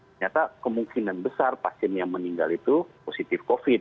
ternyata kemungkinan besar pasien yang meninggal itu positif covid